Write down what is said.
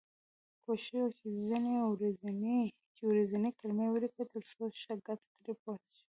کوښښ وکړی چې ورځنۍ کلمې ولیکی تر څو ښه ګټه ترې پورته شی.